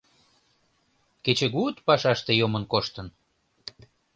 Кечыгут пашаште йомын коштын.